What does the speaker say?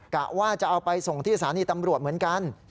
กะว่าจะเอาไปส่งที่สถานีตำรวจเหมือนกัน